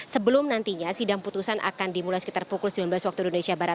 sebelum nantinya sidang putusan akan dimulai sekitar pukul sembilan belas waktu indonesia barat